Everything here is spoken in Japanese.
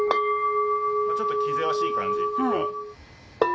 ちょっと気ぜわしい感じっていうか。